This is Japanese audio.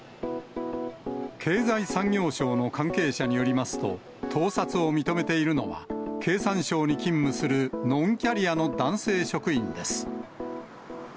経済産業省の関係者によりますと、盗撮を認めているのは、経産省に勤務するノンキャリアの男性職員です。